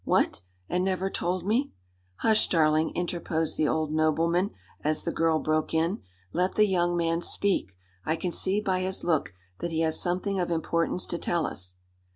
"What! And never told me?" "Hush, darling!" interposed the old nobleman, as the girl broke in. "Let the young man speak. I can see by his look that he has something of importance to tell us."